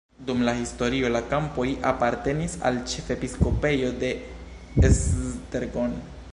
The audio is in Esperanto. Dum la historio la kampoj apartenis al ĉefepiskopejo de Esztergom.